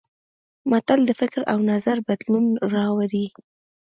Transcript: متل د فکر او نظر بدلون راولي